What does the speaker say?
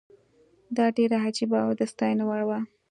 دا ډېره عجیبه او د ستاینې وړ وه.